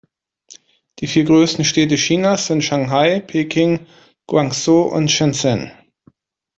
Die vier größten Städte Chinas sind Shanghai, Peking, Guangzhou und Shenzhen.